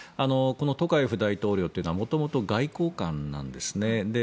トカエフ大統領というのは元々、外交官なんですね。